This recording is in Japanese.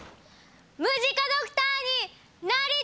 ムジカドクターになりたい！